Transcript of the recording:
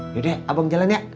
yaudah abang jalan ya